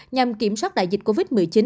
nhằm kiểm soát đại dịch covid một mươi chín